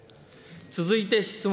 続いて質問